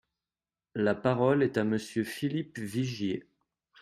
La parole est à Monsieur Philippe Vigier.